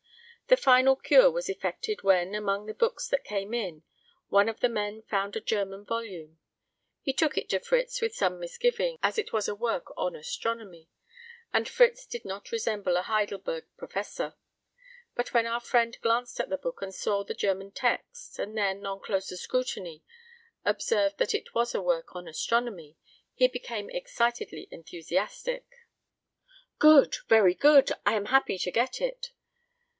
The final cure was effected when, among the books that came in, one of the men found a German volume. He took it to Fritz with some misgiving, as it was a work on astronomy, and Fritz did not resemble a Heidelberg professor; but when our friend glanced at the book and saw the German text, and then, on closer scrutiny, observed that it was a work on astronomy, he became excitedly enthusiastic. "Good! Very good! I am happy to get it."